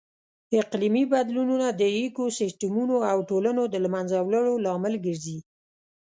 اقلیمي بدلونونه د ایکوسیسټمونو او ټولنو د لهمنځه وړلو لامل ګرځي.